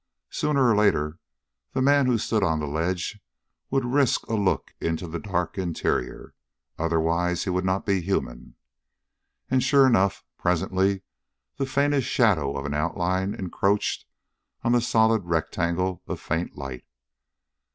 Sooner or later the man who stood on the ledge would risk a look into the dark interior; otherwise, he would not be human. And, sure enough, presently the faintest shadow of an outline encroached on the solid rectangle of faint light.